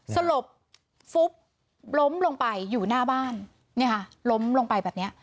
สลบล้มลงไปอยู่หน้าบ้านล้มลงไปแบบนี้